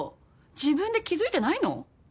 自分で気付いてないの？